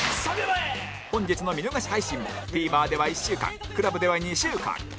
本日の見逃し配信も ＴＶｅｒ では１週間 ＣＬＵＢ では２週間